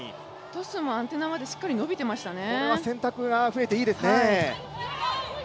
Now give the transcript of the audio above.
トスもアンテナまでしっかり伸びてましたね。